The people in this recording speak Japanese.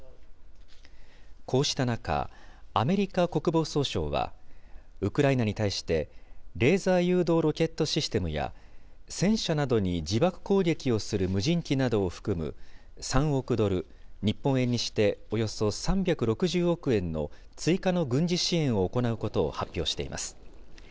こうした中、アメリカ国防総省は、ウクライナに対してレーザー誘導ロケットシステムや、戦車などに自爆攻撃をする無人機などを含む３億ドル、日本円にしておよそ３６０億円の追加の軍事支援を行うことを発表しています。